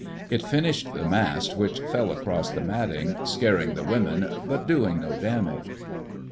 It finished the mast which fell across the matting, scaring the women but doing no damage.